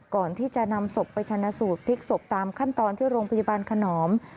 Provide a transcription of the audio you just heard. ก่อนที่จะนำศพไปชนะสูตรพลิกศพตามขั้นตอนที่โรงพยาบาลขนอม